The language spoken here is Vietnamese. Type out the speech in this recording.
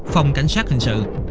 phòng cảnh sát hình sự